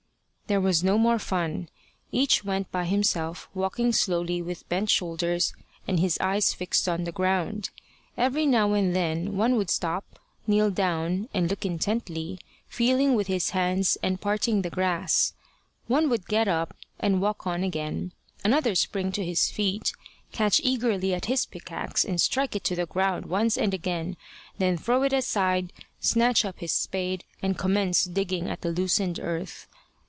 There was no more fun. Each went by himself, walking slowly with bent shoulders and his eyes fixed on the ground. Every now and then one would stop, kneel down, and look intently, feeling with his hands and parting the grass. One would get up and walk on again, another spring to his feet, catch eagerly at his pickaxe and strike it into the ground once and again, then throw it aside, snatch up his spade, and commence digging at the loosened earth.